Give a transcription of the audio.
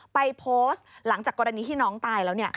ไปโพสต์หลังจากกรณีที่น้องตายแล้ว